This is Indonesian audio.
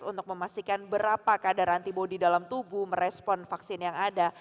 untuk memastikan berapa kadar antibody dalam tubuh merespon vaksin yang ada